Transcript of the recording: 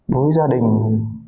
đối với gia đình